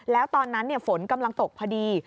แล้วตอนนั้นฝนกำลังตกพอดี